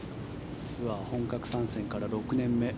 ツアー本格参戦から６年目。